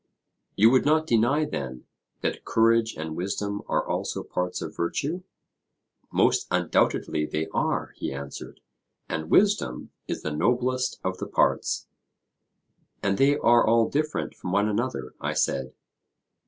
You would not deny, then, that courage and wisdom are also parts of virtue? Most undoubtedly they are, he answered; and wisdom is the noblest of the parts. And they are all different from one another? I said.